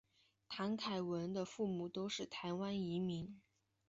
谭凯文父母都是台湾移民。